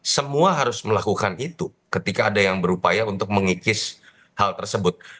semua harus melakukan itu ketika ada yang berupaya untuk mengikis hal tersebut